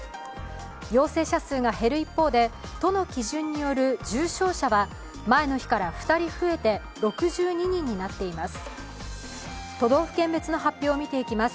陽性者数が減る一方で、都の基準による重症者は前の日から２人増えて６２人になっています。